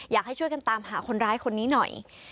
อยากให้ช่วยกันตามหาคนร้ายคนนี้หน่อย